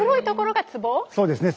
そうですね。